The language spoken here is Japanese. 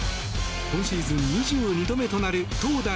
今シーズン２２度目となる投打